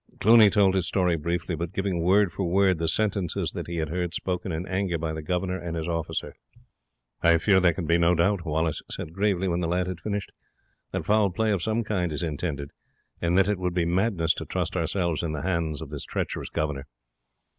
Cluny told his story briefly, but giving word for word the sentences that he had heard spoken in anger by the governor and his officer. "I fear there can be no doubt," Wallace said gravely when the lad had finished "that foul play of some kind is intended, and that it would be madness to trust ourselves in the hands of this treacherous governor.